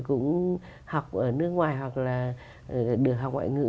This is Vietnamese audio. cũng học ở nước ngoài hoặc là được học ngoại ngữ